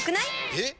えっ！